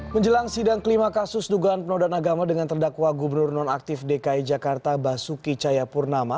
menjelang sidang kelima kasus dugaan penodaan agama dengan terdakwa gubernur nonaktif dki jakarta basuki cayapurnama